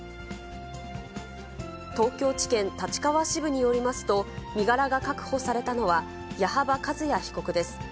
東京地検立川支部によりますと、身柄が確保されたのは、矢幅一彌被告です。